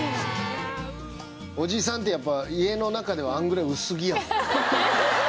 おじさんってやっぱ家の中ではあのぐらい薄着やもん。